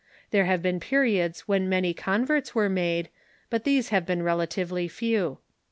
There have been periods when many converts were made, but these have been relatively few.